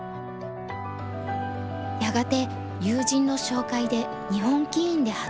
やがて友人の紹介で日本棋院で働くことに。